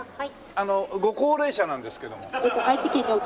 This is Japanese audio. あのご高齢者なんですけども。